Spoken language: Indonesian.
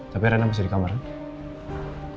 tapi raina masih di kamarnya